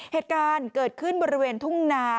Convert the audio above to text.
เหตุการณ์เกิดขึ้นบริเวณทุ่งนา